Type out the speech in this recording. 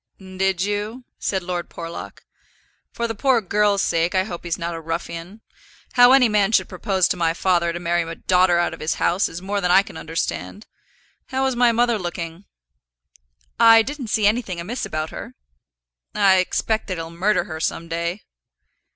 "Did you?" said Lord Porlock. "For the poor girl's sake I hope he's not a ruffian. How any man should propose to my father to marry a daughter out of his house, is more than I can understand. How was my mother looking?" "I didn't see anything amiss about her." "I expect that he'll murder her some day."